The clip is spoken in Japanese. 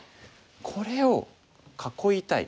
これを囲いたい。